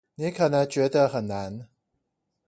你可能覺得很難